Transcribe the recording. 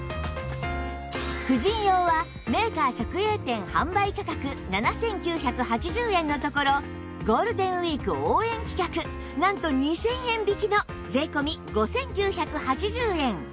婦人用はメーカー直営店販売価格７９８０円のところゴールデンウィーク応援企画なんと２０００円引きの税込５９８０円